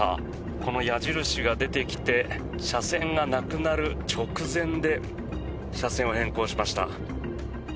この矢印が出てきて車線がなくなる直前で車線を変更しました。